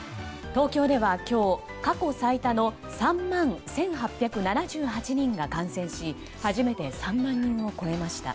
東京では今日、過去最多の３万１８７８人が感染し初めて３万人を超えました。